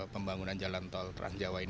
pembangunan tol trans jawa